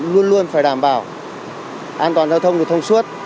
luôn luôn phải đảm bảo an toàn giao thông được thông suốt